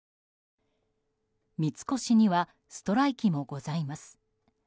「三越にはストライキもございます」。